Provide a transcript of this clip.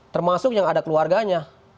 termasuk yang ada keluarganya